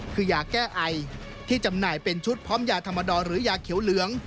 คือยาแก้ไอที่จำหน่ายเป็นชุดพร้อมยาธรรมดรหรือยาเขียวเหลือง